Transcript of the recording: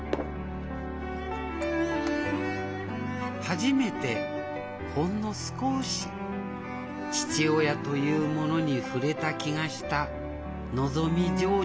初めてほんの少し父親というものに触れた気がしたのぞみ嬢ちゃんでありました